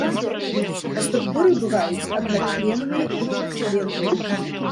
Па структуры бываюць адначленныя і двухчленныя.